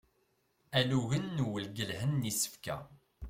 Alugen n uwgelhen n isefka.